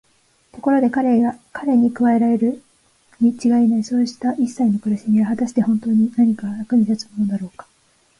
ところで彼に加えられるにちがいないそうしたいっさいの苦しみは、はたしてほんとうになんかの役に立つものだろうか。